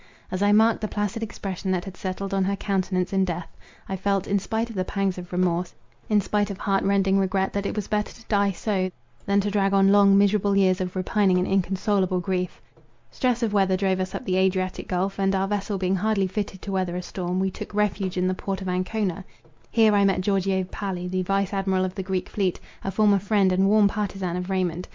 As I marked the placid expression that had settled on her countenance in death, I felt, in spite of the pangs of remorse, in spite of heart rending regret, that it was better to die so, than to drag on long, miserable years of repining and inconsolable grief. Stress of weather drove us up the Adriatic Gulph; and, our vessel being hardly fitted to weather a storm, we took refuge in the port of Ancona. Here I met Georgio Palli, the vice admiral of the Greek fleet, a former friend and warm partizan of Raymond.